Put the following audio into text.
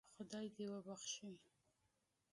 خدای دې وبخشي.